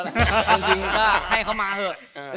จริงก็ให้เขามาเถอะ